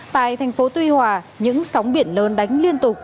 tại thành phố tuy hòa những sóng biển lớn đánh liên tục